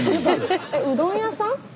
うどん屋さん？